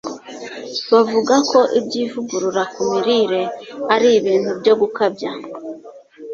bavuga ko iby'ivugurura ku mirire ari ibintu byo gukabya